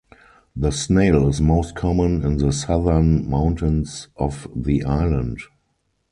The snail is most common in the southern mountains of the island.